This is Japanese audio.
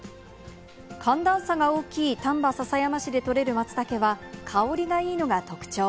寒暖差が大きい丹波篠山市で採れるマツタケは、香りがいいのが特徴。